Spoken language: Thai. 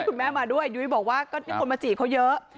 คุณแม่มาด้วยยุ้ยบอกว่าก็นี่คนมาจีบเขาเยอะ